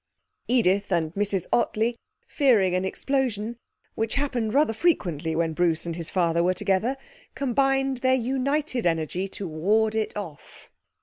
Edith and Mrs Ottley, fearing an explosion, which happened rather frequently when Bruce and his father were together, combined their united energy to ward it off.